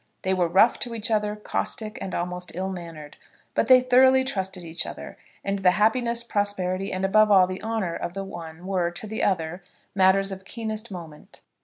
They were rough to each other, caustic, and almost ill mannered. But they thoroughly trusted each other; and the happiness, prosperity, and, above all, the honour of the one were, to the other, matters of keenest moment.